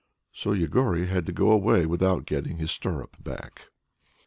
So Yegory had to go away without getting his stirrup back.